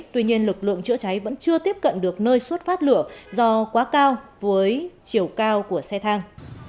tuy nhiên lực lượng chữa cháy vẫn chưa tiếp cận được nơi xuất phát lửa do quá cao với chiều cao của xe thang